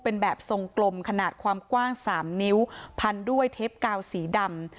เป็นแบบทรงกลมขนาดความกว้าง๓นิ้วพันด้วยเทปกาวสีดำ